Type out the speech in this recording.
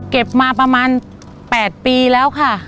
เก็บมาประมาณ๘ปีแล้วค่ะ